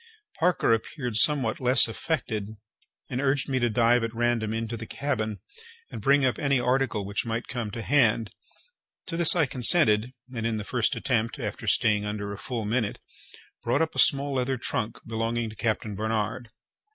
Parker appeared somewhat less affected, and urged me to dive at random into the cabin, and bring up any article which might come to hand. To this I consented, and, in the first attempt, after staying under a full minute, brought up a small leather trunk belonging to Captain Barnard.